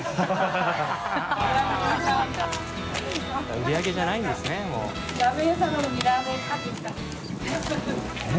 売り上げじゃないんですね